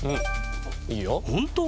いいよ。